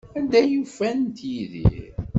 Anda ay ufant Yidir?